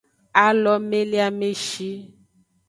Alomeleameshi.